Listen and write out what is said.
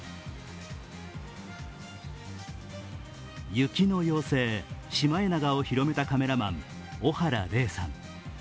雪の妖精、シマエナガを広めたカメラマン、小原玲さん。